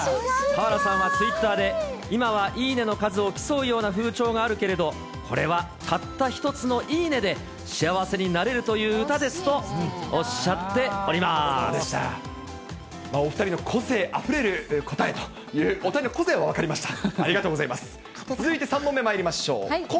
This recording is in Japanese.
俵さんは、ツイッターで、今はいいねの数を競うような風潮があるけれど、これはたった一つのいいねで幸せになれるという歌ですとおっしゃお２人の個性あふれる答えという、お２人の個性は分かりました。